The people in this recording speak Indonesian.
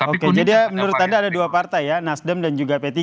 oke jadi menurut anda ada dua partai ya nasdem dan juga p tiga